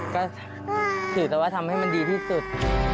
ก็ถือแต่ว่าทำให้มันดีที่สุด